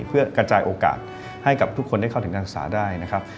เพื่อกระจายโอกาสให้กับทุกคนได้เข้าถึงการศึกษาได้นะครับ